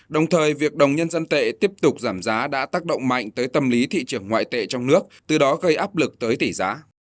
đồng thời việc đồng nhân dân tệ tiếp tục giảm giá đã tác động mạnh tới tâm lý thị trường ngoại tệ trong nước từ đó gây áp lực tới tỷ giá